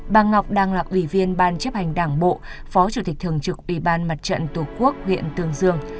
bà ngọc đang là ủy viên ban chấp hành đảng bộ phó chủ tịch thường trực ủy ban mặt trận tổ quốc huyện tương dương